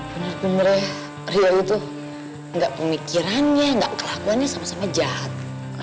bener bener ya rio itu gak pemikirannya gak kelakuannya sama sama jahat